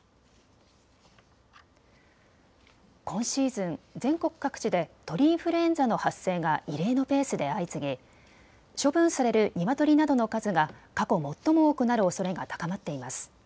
今シーズン、全国各地で鳥インフルエンザの発生が異例のペースで相次ぎ処分されるニワトリなどの数が過去最も多くなるおそれが高まっています。